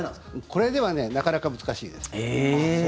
これではなかなか難しいです。